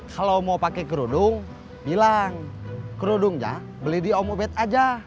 kalau mau pakai kerudung bilang kerudungnya beli di om ubed aja